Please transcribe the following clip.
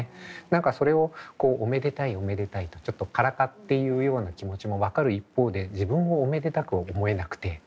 何かそれを「おめでたいおめでたい」とちょっとからかって言うような気持ちも分かる一方で「自分をおめでたく思えなくてどうするんだ。